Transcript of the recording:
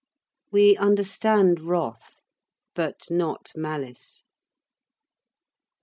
We understand wrath, but not malice.